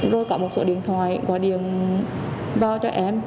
rồi có một số điện thoại qua điện vào cho em